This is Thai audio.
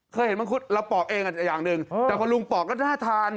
เคยเห็นบางคนเราปอกเองอย่างหนึ่งแต่พอลุงปอกก็น่าทาน